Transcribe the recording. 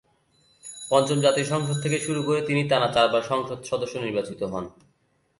পঞ্চম জাতীয় সংসদ থেকে শুরু করে তিনি টানা চারবার সংসদ সদস্য নির্বাচিত হন।